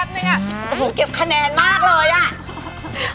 ผมเก็บคะแนนมากเลยอ่ะ